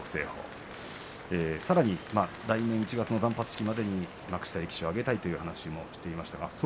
さらに来年１月の断髪式までに力士にあげたいという話をしていました。